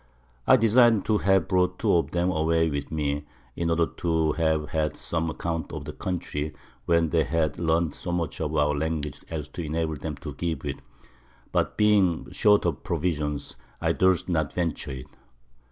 I design'd to have brought two of 'em away with me, in order to have had some Account of the Country, when they had learn'd so much of our Language as to enable them to give it; but being short of Provisions, I durst not venture it.